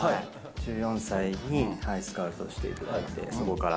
１４歳にスカウトしていただいて、そこから。